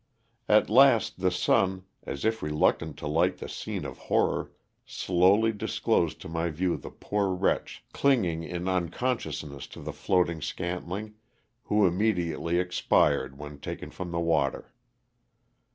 At last the sun, as if reluctant to light the scene of horror, slowly disclosed to my view the poor wretch clinging in unconsciousness to the floating scantling, who immediately expired when taken from the water.